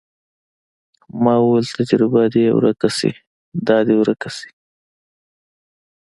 ما وويل تجربه دې يې ورکه سي دا دې ورکه سي.